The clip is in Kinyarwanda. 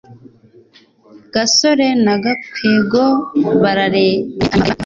gasore na gakwego bararebanye hanyuma bareba yohana